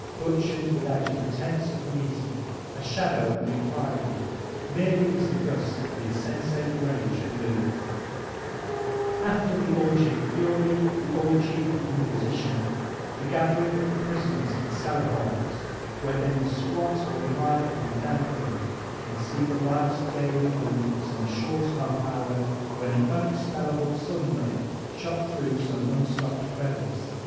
Butchered without a pretence of reason, a shadow of inquiry, mere ly as the gust of insensate rage blewl After the orgy of fury, the orgy of the mqnisition* The gathering of the prisoners in cellar holes, where they must squat or lie upon danq> earth, and see the light daily only for some short half hour when an unexpellable sun ray shot through some unstof^d crevice.